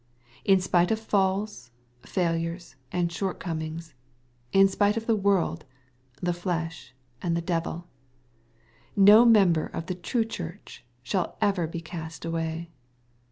In spite of faUs, failures, and short comings— in spite of the world, the flesh, and the devil — no member of the true Church shall ever be cast away.